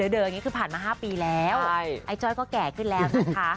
อย่างนี้คือผ่านมา๕ปีแล้วไอ้จ้อยก็แก่ขึ้นแล้วนะคะ